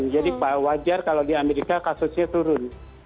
jadi wajar kalau di amerika kasusnya turun